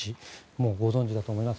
もう皆さんご存じだと思います。